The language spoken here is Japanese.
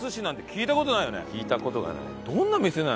聞いた事がない。